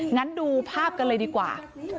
งั้นดูภาพกันเลยดีกว่า